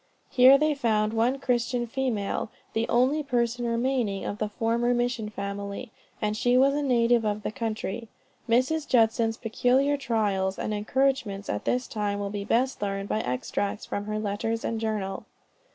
Here they found one Christian female, the only person remaining of the former mission family, and she was a native of the country. Mrs. Judson's peculiar trials and encouragements at this time will be best learned by extracts from her letters and journal.